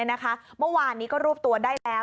เมื่อวานนี้ก็รวบตัวได้แล้ว